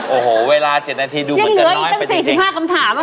โอ้โฮเวลา๗นาทีดูเหมือนจะน้อยไปจริงยังเหลืออีกตั้ง๔๕คำถามนะคะ